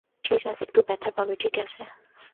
ঠিক আছে একটু ব্যথা পাবে ঠিক আছে?